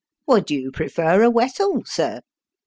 "Would you prefer a wessel, sir?"